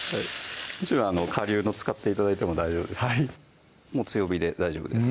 もちろんかりゅうの使って頂いても大丈夫ですもう強火で大丈夫です